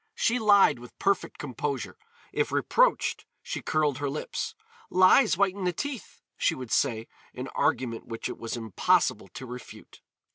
She lied with perfect composure; if reproached she curled her lips. "Lies whiten the teeth," she would say, an argument which it was impossible to refute.